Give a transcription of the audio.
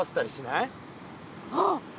あっ！